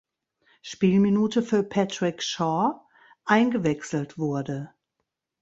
Spielminute für Patrick Schorr eingewechselt wurde.